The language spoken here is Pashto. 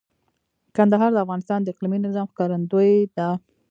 کندهار د افغانستان د اقلیمي نظام ښکارندوی ده.